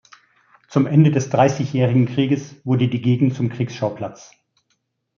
Zum Ende des Dreißigjährigen Krieges wurde die Gegend zum Kriegsschauplatz.